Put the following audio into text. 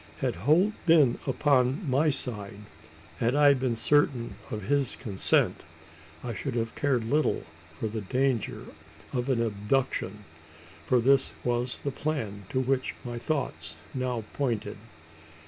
Had Holt been upon my side had I been certain of his consent I should have cared little for the dangers of an abduction: for this was the plan to which my thoughts now pointed.